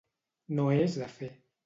No és de fer.